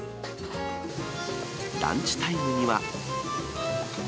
ランチタイムには。